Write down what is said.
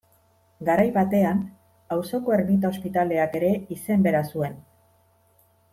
Garai batean auzoko ermita-hospitaleak ere izen bera zuen.